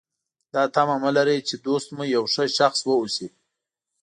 دا تمه مه لرئ چې دوست مو یو ښه شخص واوسي.